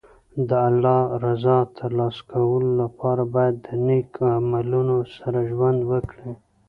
د الله رضا ترلاسه کولو لپاره باید د نېک عملونو سره ژوند وکړي.